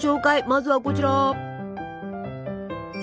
まずはこちら！